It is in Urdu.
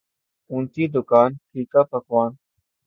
اونچی دکان پھیکا پکوان